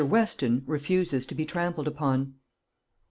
WESTON REFUSES TO BE TRAMPLED UPON.